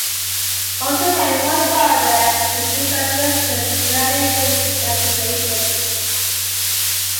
Walter Perry worked further to develop distance learning through the United Nations.